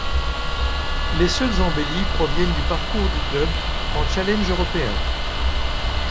Les seules embellies proviennent du parcours du club en Challenge européen.